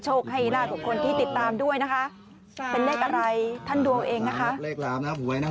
โชคให้ล่าทุกคนที่ติดตามด้วยนะฮะ